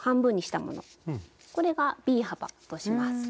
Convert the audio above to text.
これがＢ幅とします。